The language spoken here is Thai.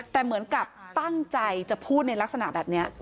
แต่เหมือนกับตั้งใจจะพูดในลักษณะแบบนี้